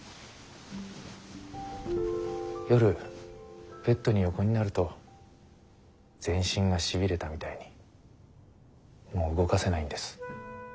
夜ベッドに横になると全身がしびれたみたいにもう動かせないんです。